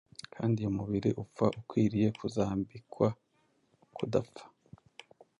kandi uyu mubiri upfa ukwiriye kuzambikwa kudapfa.